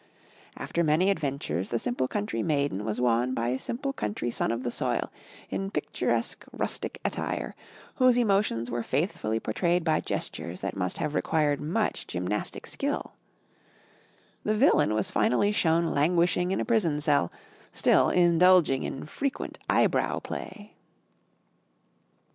After many adventures the simple country maiden was won by a simple country son of the soil in picturesque rustic attire, whose emotions were faithfully portrayed by gestures that must have required much gymnastic skill; the villain was finally shown languishing in a prison cell, still indulging in frequent eye brow play.